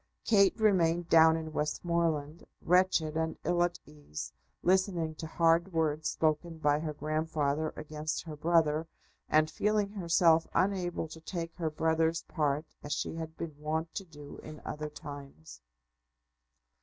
Kate remained down in Westmoreland, wretched and ill at ease, listening to hard words spoken by her grandfather against her brother, and feeling herself unable to take her brother's part as she had been wont to do in other times.